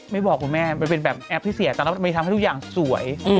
บอกคุณแม่มันเป็นแบบแอปที่เสียตอนนั้นมันทำให้ทุกอย่างสวย